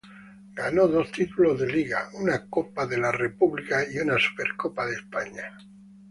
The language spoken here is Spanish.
Ganó dos títulos de Liga, una Copa del Rey y una Supercopa de España.